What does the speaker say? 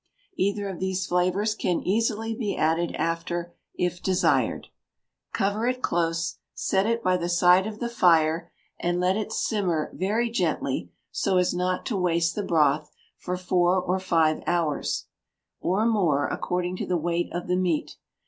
either of these flavours can easily be added after, if desired, cover it close, set it by the side of the fire, and let it simmer very gently (so as not to waste the broth) for four or five hours, or more, according to the weight of the meat.